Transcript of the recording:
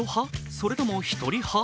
それとも一人派？